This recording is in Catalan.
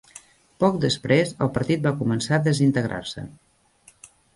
Poc després, el partit va començar a desintegrar-se.